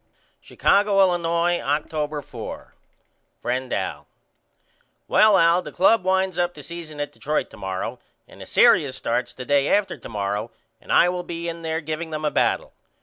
Chicago, Illinois, October 4. FRIEND AL: Well Al the club winds up the season at Detroit to morrow and the serious starts the day after to morrow and I will be in there giveing them a battle.